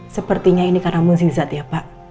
sepertinya ini karena musizat ya pak